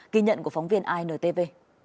ghi nhận của phóng viên intv